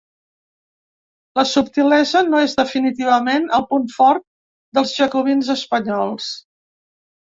La subtilesa no és definitivament el punt fort dels jacobins espanyols.